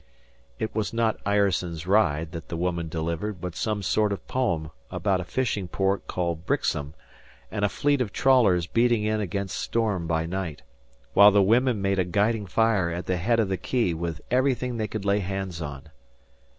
It was not "Ireson's Ride" that the woman delivered, but some sort of poem about a fishing port called Brixham and a fleet of trawlers beating in against storm by night, while the women made a guiding fire at the head of the quay with everything they could lay hands on.